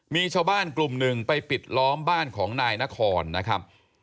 มีชาวบ้านกลุ่มหนึ่งไปปิดล้อมบ้านของนายนครนะครับ